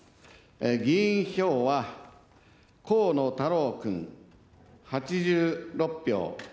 議員票は河野太郎君８６票。